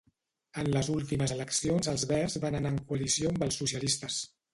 En les últimes eleccions els verds van anar en coalició amb els socialistes.